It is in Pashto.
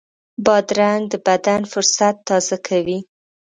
بادرنګ د بدن فُرصت تازه کوي.